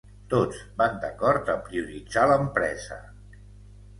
Tots van d’acord a prioritzar l’empresa.